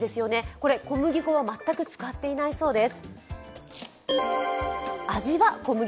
これ小麦粉を全く使っていないそうです。